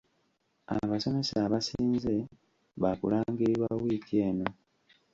Abasomesa abasinze baakulangirirwa wiiki eno.